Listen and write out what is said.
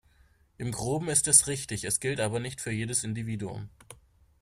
Im Groben ist es richtig, es gilt aber nicht für jedes Individuum.